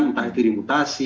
entah itu dimutasi